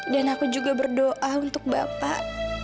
dan aku juga berdoa untuk bapak